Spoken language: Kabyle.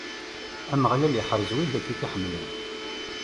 Ameɣlal iḥerrez wid akk i t-iḥemmlen.